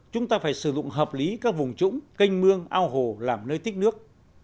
chúng ta phải sử dụng hợp lý các vùng trũng canh mương ao hồ làm nơi tích nước